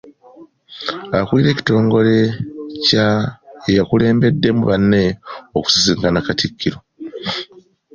Akulira ekitongole kya y'eyakulembeddemu banne okusisinkana Katikkiro